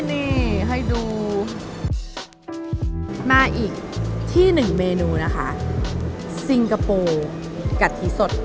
นี่ให้ดูมาอีกที่หนึ่งเมนูนะคะซิงคโปร์กะทิสด